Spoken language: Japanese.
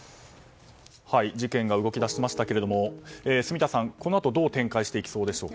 事件が動き出しましたが住田さん、このあとどう展開していきそうでしょうか。